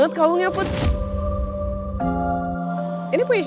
dan share saluran dari crny